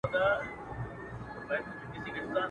مازیګر چي وي په ښکلی او ګودر په رنګینیږي.